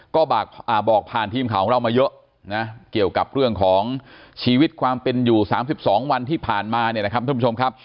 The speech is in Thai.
ก็บอกผ่านทีมข่าวของเรามาเยอะนะเกี่ยวกับเรื่องของชีวิตความเป็นอยู่๓๒วันที่ผ่านมาเนี่ยนะครับท่านผู้ชมครับ